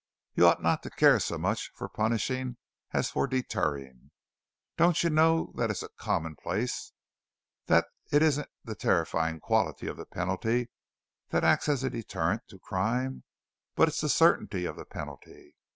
You ought not to care so much for punishing as for deterring. Don't you know that it's a commonplace that it isn't the terrifying quality of the penalty that acts as a deterrent to crime, but it's the certainty of the penalty!